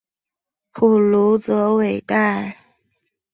普卢泽韦代。